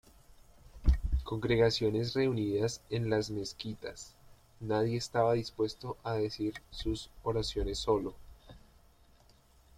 Congregaciones reunidas en las mezquitas: nadie estaba dispuesto a decir sus oraciones solo.